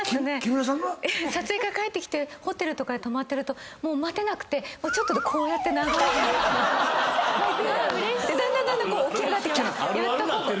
撮影から帰ってきてホテルとか泊まってるともう待てなくてちょっとでこうやって長ーく。でだんだん起き上がってきて。